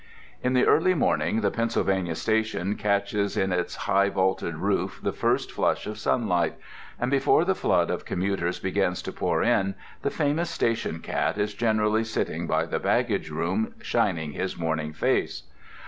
In the early morning the Pennsylvania Station catches in its high vaulted roof the first flush of sunlight; and before the flood of commuters begins to pour in, the famous station cat is generally sitting by the baggage room shining his morning face.